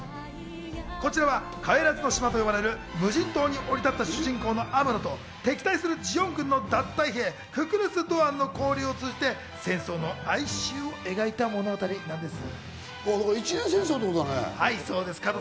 こちらは帰らずの島と呼ばれる無人島に降り立った主人公のアムロと敵対するジオン軍の脱退兵、ククルス・ドアンとの交流を通じて戦争の哀愁を描いた物語なんです。